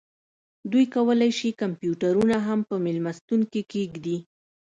دوی کولی شي کمپیوټرونه هم په میلمستون کې کیږدي